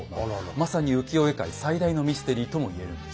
まさに浮世絵界最大のミステリーとも言えるんです。